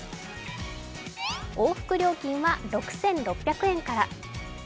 往復料金は６６００円から。